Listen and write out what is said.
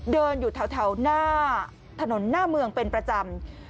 เดินอยู่แถวหน้าถนนหน้าเมืองเป็นประจำ